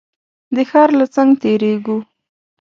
د ښار له څنګ تېرېږو.